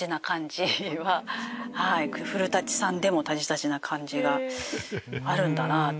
古さんでもタジタジな感じがあるんだなと。